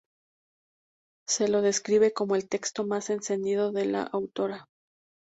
Se lo describe como el texto más encendido de la autora.